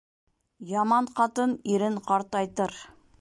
Яман ҡатын ирен ҡартайтыр.